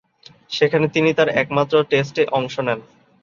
সেখানে তিনি তার একমাত্র টেস্টে অংশ নেন।